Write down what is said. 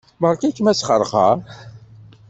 Beṛka-kem asxeṛxeṛ.